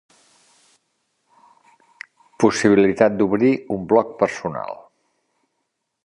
Possibilitat d’obrir un bloc personal.